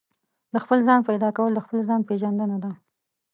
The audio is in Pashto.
د خپل ځان پيدا کول د خپل ځان پېژندنه ده.